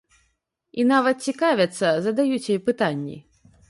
І нават цікавяцца, задаюць ёй пытанні.